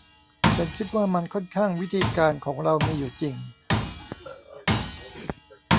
ฉันคิดว่ามันค่อนข้างวิธีการของเรามีอยู่จริง